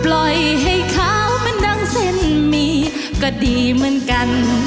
ปล่อยให้ขาวมันดังเส้นมีก็ดีเหมือนกัน